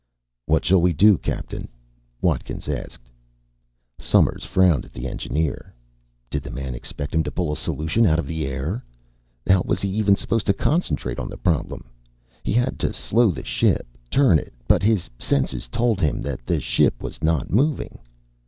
"What shall we do, Captain?" Watkins asked. Somers frowned at the engineer. Did the man expect him to pull a solution out of the air? How was he even supposed to concentrate on the problem? He had to slow the ship, turn it. But his senses told him that the ship was not moving.